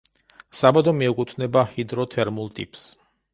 საბადო მიეკუთვნება ჰიდროთერმულ ტიპს.